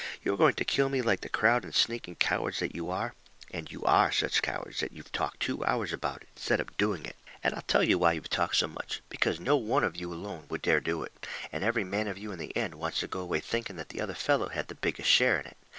"You are going to kill me like the crowd of sneaking cowards that you are. And you ARE such cowards that you've talked two hours about it, instead of doing it. And I'll tell you why you've talked so much: because no ONE of you alone would dare to do it, and every man of you in the end wants to go away thinking that the other fellow had the biggest share in it.